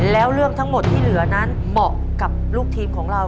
แล้วเรื่องทั้งหมดที่เหลือนั้นเหมาะกับลูกทีมของเรา